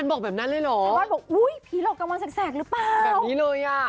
แบบนี้เลยอ่ะ